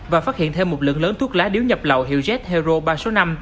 và phát hiện thêm một lượng lớn thuốc lá điếu nhập lậu hiệu jet hero ba số năm